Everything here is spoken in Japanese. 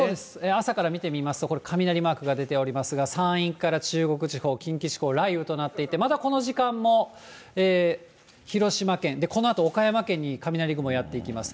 朝から見てみますと、これ雷マークが出ておりますが、山陰から中国地方、近畿地方、雷雨となっていて、まだこの時間も広島県、このあと岡山県に雷雲やってきます。